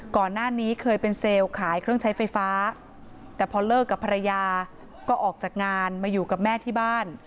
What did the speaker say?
ก่อนหน้านี้เคยเป็นเซลล์ขายเครื่องใช้ไฟฟ้าแต่พอเลิกกับภรรยาก็ออกจากงานมาอยู่กับแม่ที่บ้าน